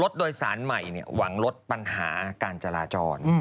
โดยสารใหม่หวังลดปัญหาการจราจร